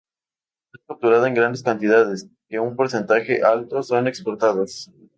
Es capturada en grandes cantidades, que un porcentaje alto son exportadas.